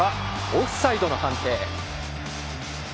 オフサイドの判定。